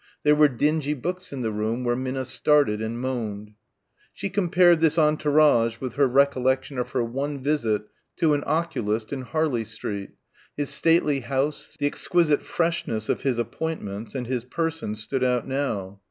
There were dingy books in the room where Minna started and moaned. She compared this entourage with her recollection of her one visit to an oculist in Harley Street. His stately house, the exquisite freshness of his appointments and his person stood out now.